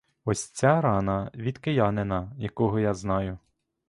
Ось ця рана від киянина, якого я знаю.